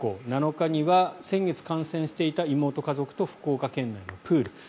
７日には、先月感染していた妹家族と福岡県内のプール。